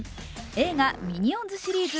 映画「ミニオンズ」シリーズ